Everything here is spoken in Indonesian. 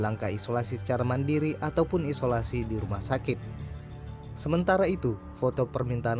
langkah isolasi secara mandiri ataupun isolasi di rumah sakit sementara itu foto permintaan